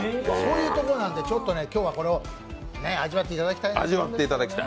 そういうところなんで、今日はこれを味わっていただきたいぃ。